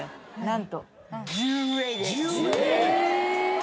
何と。